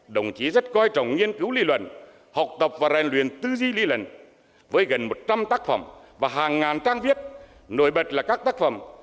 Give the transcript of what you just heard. đồng chí rất coi trọng nghiên cứu lý luận học tập và rèn luyện tư diland với gần một trăm linh tác phẩm và hàng ngàn trang viết nổi bật là các tác phẩm